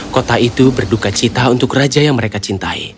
kota itu berduka cita untuk raja yang mereka cintai